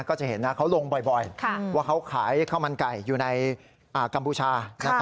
ก็จะเห็นนะเขาลงบ่อยว่าเขาขายข้าวมันไก่อยู่ในกัมพูชา